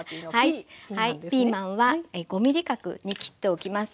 ピーマンは５ｍｍ角に切っておきます。